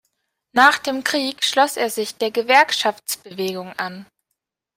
Nach dem Krieg schloss er sich der Gewerkschaftsbewegung an.